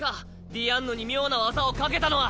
ディアンヌに妙な技をかけたのは。